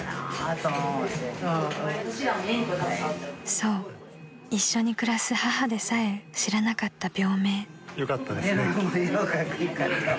［そう一緒に暮らす母でさえ知らなかった病名］よかったですね。